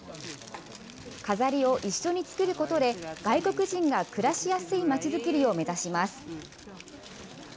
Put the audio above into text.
飾りを一緒に作ることで、外国人が暮らしやすい街づくりを目指します。